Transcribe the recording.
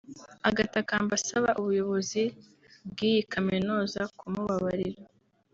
agatakamba asaba ubuyobozi bw’iyi Kaminuza kumubabarira